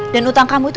dan utang kamu itu